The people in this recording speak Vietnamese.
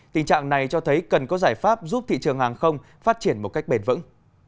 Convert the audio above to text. tình trạng này cho thấy cần có giải pháp giúp thị trường hàng không phát triển một cách bền vững